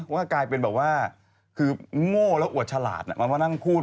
ว่ากลายเป็นแบบว่าคือโง่แล้วอวดฉลาดมันมานั่งพูด